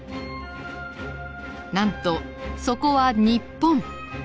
なんとそこは日本。